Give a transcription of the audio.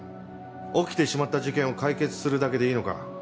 起きてしまった事件を解決するだけでいいのか？